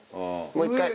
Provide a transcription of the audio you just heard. もう一回。